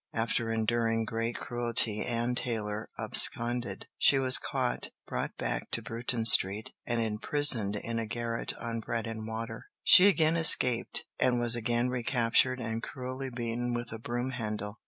After enduring great cruelty Anne Taylor absconded; she was caught, brought back to Bruton Street, and imprisoned in a garret on bread and water; she again escaped, and was again recaptured and cruelly beaten with a broom handle.